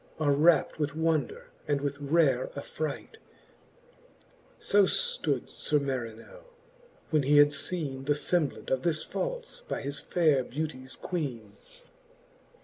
Are rapt with wonder, and with rare afFi ight : So ftood Sir Marinell, when he had feene The femblant of this falfe by his faire beauties Queene.